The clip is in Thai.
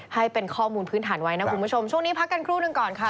ให้เป็นข้อมูลพื้นฐานไว้นะคุณผู้ชมช่วงนี้พักกันครู่หนึ่งก่อนค่ะ